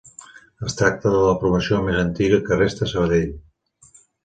Es tracta de la promoció més antiga que resta a Sabadell.